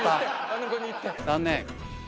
残念。